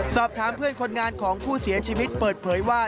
สอบถามเพื่อนคนงานของผู้เสียชีวิตเปิดเผยว่า